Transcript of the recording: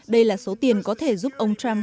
đây là số tiền có thể giúp ông trump